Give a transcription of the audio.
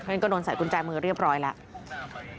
เพราะฉะนั้นก็โดนใส่กุนจามือเรียบร้อยแล้ว